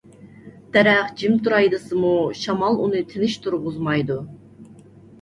دەرەخ جىم تۇراي دېسىمۇ، شامال ئۇنى تىنچ تۇرغۇزمايدۇ.